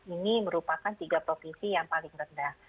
ini merupakan tiga provinsi yang paling rendah